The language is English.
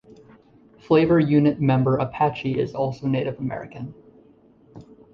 Flavor Unit member Apache is also Native American.